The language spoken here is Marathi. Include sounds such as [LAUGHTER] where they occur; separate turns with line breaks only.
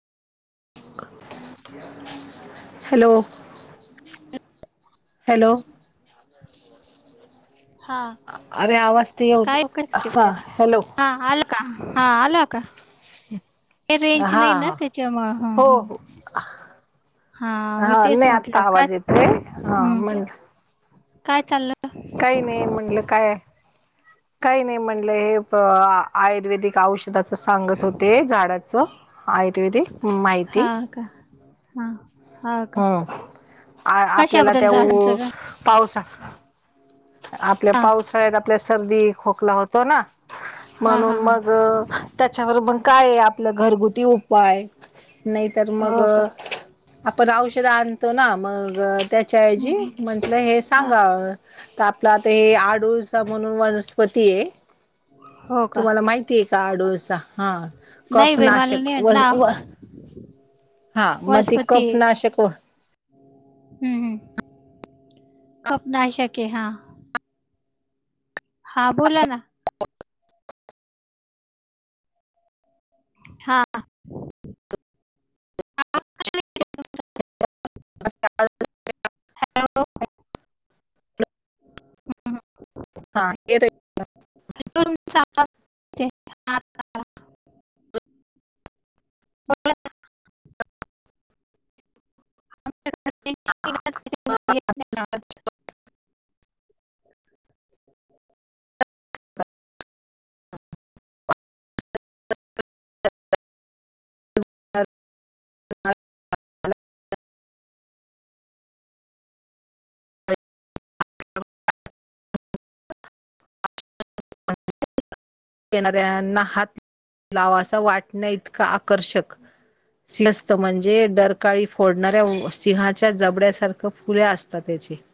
हॅलो हॅलो
हा
अरे आवाज ते येऊ
काया
हा
आ
हॅलो
का हा आला का
हा
रेंज
हा
नाही ना त्याच्यामु ह ह
हो हो
हा मी तेच
नाही आत्ता
म्हटलं काय
आवाज येतोय हा
हम्
म्हणलं
काय चाललं.
काही नाही म्हणलं काय काही नाही म्हणलं हे. आयुर्वेदिक औषधाच सांगत होते झाडाचं. हत वि दे माहिती
आका हा.
हम्म आपल्याला
कशाबद्दल
त्या
झाडांचं का
पावसा आपल्या
हा
पावसाळ्यात आपल्या सर्दी खोकला होतो ना.
हा हा
म्हणून
हा
मग त्याच्यावर मण काय आपलं घरगुती उपाय नाहीतर मग
हो का
आपण औषध आणतो ना मग
हम्म,
त्याच्याऐवजी
हम्म.
म्हंटलं हे
हा
सांगा. आपला ते आडूळचा म्हणून वनस्पती आहे.
हो का
तुम्हाला माहितीय का आडूळसा हा
नाही बाई मला
कफनाशक.
नाही आलं. नाव
हा मग ती
वनस्पती
कफ
आहे का
नाशक.
हम्म ह खप नाही शके हा. हा बोला ना.
ह.
हा.
[INAUDIBLE]
हॅलो.
हा ते
[UNINTELLIGIBLE] बोला
[INAUDIBLE]
ना. आमच्याकडे रेंज नाही ना
हां.
त्याच्यामुळे येत
येिणाऱ्यांना हात लावा असं वाटणं इतकं आकर्षक सिंहस्त म्हणजे रकाळी फोडणाऱ्या सिंहाच्या जबड्यासारख फुले असतात त्याचे